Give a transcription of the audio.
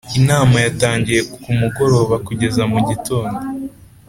Inama yatangiye ku mugoroba kugeza mu gitondo